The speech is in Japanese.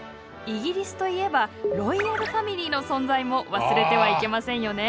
イギリスといえばロイヤルファミリーの存在も忘れてはいけませんよね。